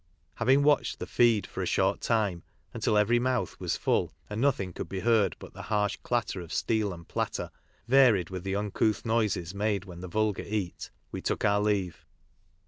Having watched the "feed" for a short time, until every mouth was full and nothing could be heard but the^ harsh clatter of steel and platter, varied with the uncouth noises made when the vulgar eat, we took our leave.